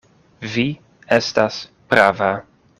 Vi estas prava.